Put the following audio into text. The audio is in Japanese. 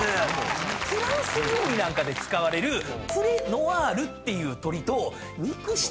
フランス料理なんかで使われるプレノアールっていう鶏と肉質に優れたロード